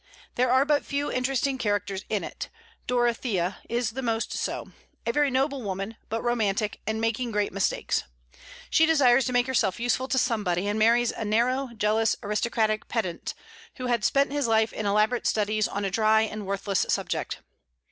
There are but few interesting characters in it: Dorothea is the most so, a very noble woman, but romantic, and making great mistakes. She desires to make herself useful to somebody, and marries a narrow, jealous, aristocratic pedant, who had spent his life in elaborate studies on a dry and worthless subject.